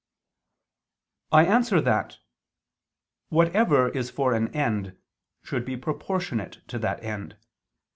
I answer that, Whatever is for an end should be proportionate to that end.